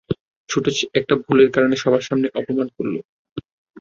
ছোট একটা ভুলের কারণে, সবার সামনে অপমান করলো!